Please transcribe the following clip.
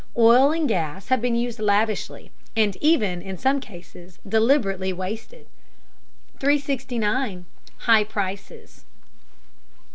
Oil and gas have been used lavishly, and even, in some cases, deliberately wasted. 369. HIGH PRICES.